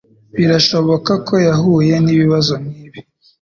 birashoboka ko yahuye nibibazo nkibi.